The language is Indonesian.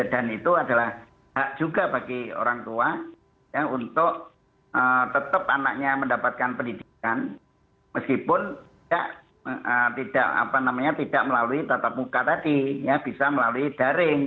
dan itu adalah hak juga bagi orang tua untuk tetap anaknya mendapatkan pendidikan meskipun tidak melalui tata muka tadi bisa melalui daring